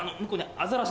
アザラシ？